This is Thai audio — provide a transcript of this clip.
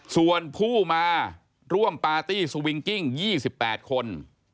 ส่วนผู้มาร่วมปาร์ตี้สวิงกิ้ง๒๘คน